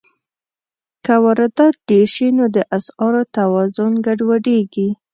که واردات ډېر شي، نو د اسعارو توازن ګډوډېږي.